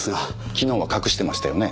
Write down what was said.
昨日は隠してましたよね